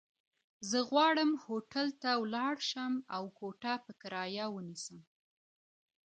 زه غواړم هوټل ته ولاړ شم، او کوټه په کرايه ونيسم.